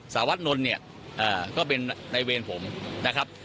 สารวัตนนท์เนี่ยก็เป็นในเวรผมนะครับ